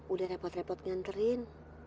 udah repot repot nganterin